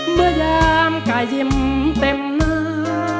เมื่อยามใครยิ้มเต็มมือ